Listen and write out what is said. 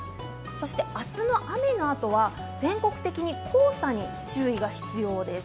そして明日の雨のあとは全国的に黄砂に注意が必要です。